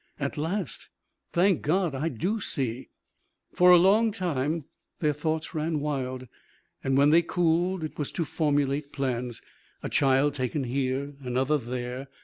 At last, thank God, I do see!" For a long time their thoughts ran wild. When they cooled, it was to formulate plans. A child taken here. Another there.